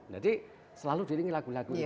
jadi selalu diringi lagu lagu